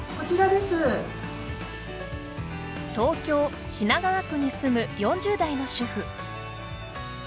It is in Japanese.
東京、品川区に住む４０代の主婦。